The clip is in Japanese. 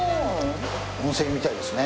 温泉みたいですね。